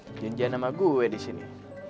jangan jangan sama gue di sini